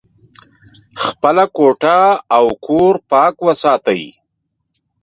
خپله کوټه او کور پاک وساتئ.